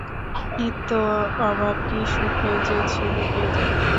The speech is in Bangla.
নিত্য অভাব, কী সুখে যে ছিল কে জানে।